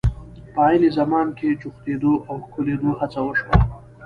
په عین زمان کې جوختېدو او ښکلېدو هڅه وشوه.